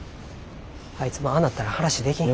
あいつもああなったら話できん。